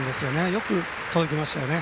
よく届きましたよね。